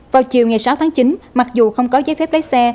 vào chiều ngày sáu tháng chín mặc dù không có giấy phép lái xe